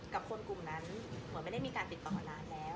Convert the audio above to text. กับคนกลุ่มนั้นเหมือนไม่ได้มีการติดต่อร้านแล้ว